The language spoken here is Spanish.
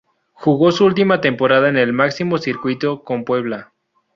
Jugó su última temporada en el máximo circuito con Puebla.